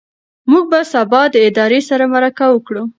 موږ به سبا د ادارې سره مرکه وکړو.